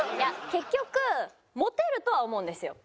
結局モテるとは思うんですよ。